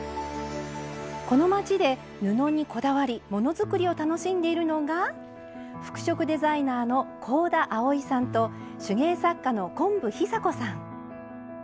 この街で布にこだわり物作りを楽しんでいるのが服飾デザイナーの香田あおいさんと手芸作家の昆布尚子さん。